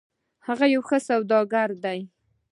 هغه یو ښه سوداګر ده